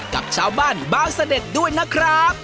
กับชาวบ้านบางเสด็จด้วยนะครับ